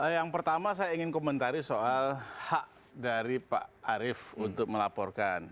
yang pertama saya ingin komentari soal hak dari pak arief untuk melaporkan